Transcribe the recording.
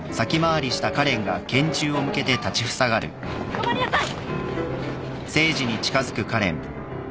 止まりなさい！